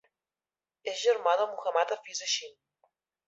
És germà de Muhammad Hafiz Hashim.